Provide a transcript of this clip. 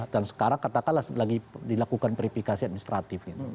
dan sekarang katakan lagi dilakukan verifikasi administratif